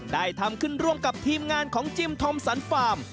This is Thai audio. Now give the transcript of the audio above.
ได้ทำขึ้นร่วมกับทีมงานของจิมธอมสันฟาร์ม